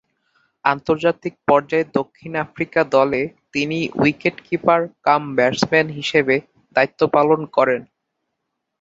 আন্তর্জাতিক পর্যায়ে দক্ষিণ আফ্রিকা দলে তিনি উইকেট-কিপার কাম ব্যাটসম্যান হিসেবে দায়িত্ব পালন করেন।